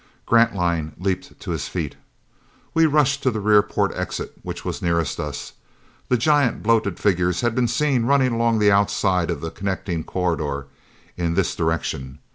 Grantline leaped to his feet. We rushed from the rear port exit which was nearest us. The giant bloated figures had been seen running along the outside of the connecting corridor, in this direction.